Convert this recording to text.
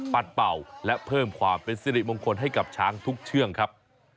เป่าและเพิ่มความเป็นสิริมงคลให้กับช้างทุกเชื่องครับ